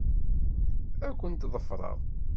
Ad kent-ḍefṛeɣ.